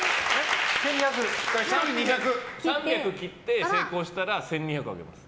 ３００切って成功したら１２００あげます。